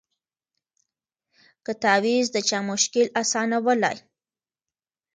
که تعویذ د چا مشکل آسانولای